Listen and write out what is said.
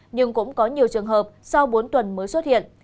nhưng cũng có nhiều trường hợp sau bốn tuần mới xuất hiện